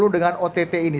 dengan ott ini